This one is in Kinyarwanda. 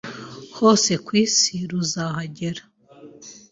hose ku isi ruzahagera